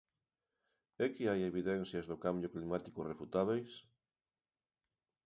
É que hai evidencias do cambio climático refutábeis?